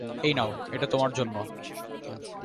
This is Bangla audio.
এই নাও, এটা তোমার জন্য।